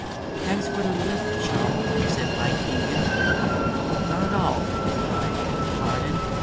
"Thanks for the lift, chum," said Mike Eagen. "Not at all," replied Marden.